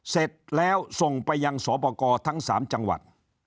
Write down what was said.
เสร็จแล้วส่งไปยังสอบประกอบทั้ง๓จังหวัด